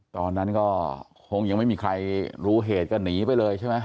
ตอนนั้นก็คงยังไม่มีใครรู้เหตุก็หนีไปเลยใช่ไหม